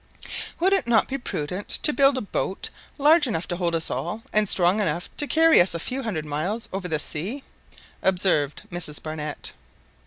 "Would it not be prudent to build a boat large enough to hold us all, and strong enough to carry us a few hundred miles over the sea?" observed Mrs Barnett.